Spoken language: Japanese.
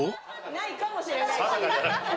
ないかもしれない。